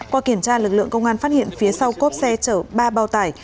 qua kiểm tra lực lượng công an phát hiện phía sau cốp xe chở ba bao tải